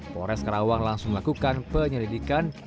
polres karawang langsung melakukan penyelidikan